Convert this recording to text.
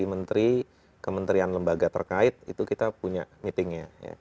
jadi menteri kementerian lembaga terkait itu kita punya meetingnya